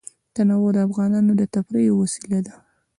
تنوع د افغانانو د تفریح یوه وسیله ده.